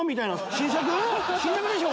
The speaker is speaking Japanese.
新作でしょ